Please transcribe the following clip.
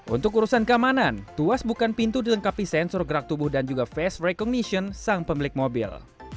untuk urusan keamanan tuas bukan pintu dilengkapi sensor gerak tubuh dan juga face recognition sang pemilik mobil